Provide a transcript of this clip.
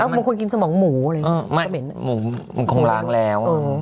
มันควรกินสมอมหมูหมูก่อนต่างแล้ว